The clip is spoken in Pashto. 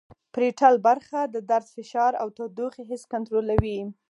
پریټل برخه د درد فشار او تودوخې حس کنترولوي